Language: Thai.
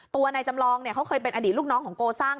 ตัวนายจำลองเขาเคยเป็นอดีตลูกน้องของโกซ่า